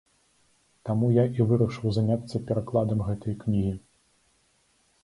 Таму я і вырашыў заняцца перакладам гэтай кнігі.